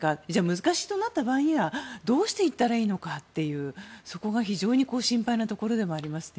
難しいとなった場合にはどうしていったらいいのかというそこが非常に心配なところでもありますね。